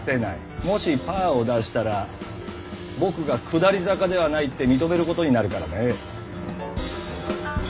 もし「パー」を出したら僕が「下り坂」ではないって認めることになるからね。